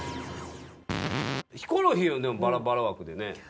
ヒコロヒーはでもバラバラ枠でねやってる。